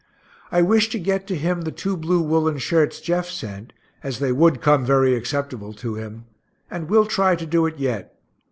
I wish to get to him the two blue woolen shirts Jeff sent, as they would come very acceptable to him and will try to do it yet.